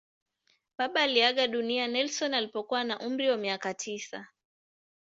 Baba aliaga dunia Nelson alipokuwa na umri wa miaka tisa.